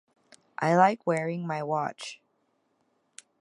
I like wearing my watch.